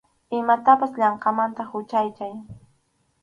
Imatapas yanqamanta huchachay.